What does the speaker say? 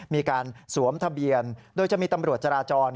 มีการสวมทะเบียนโดยจะมีตำรวจจราจร